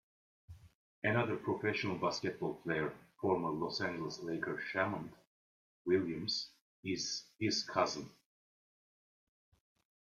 Another professional basketball player, former Los Angeles Laker Shammond Williams, is his cousin.